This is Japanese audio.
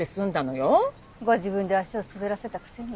ご自分で足を滑らせたくせに。